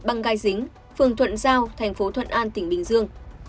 băng gai dính phường thuận giao thành phố thuận an tỉnh bình dương